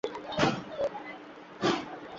আজকে কত তারিখ?